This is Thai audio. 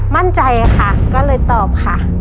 มั่นใจค่ะก็เลยตอบค่ะ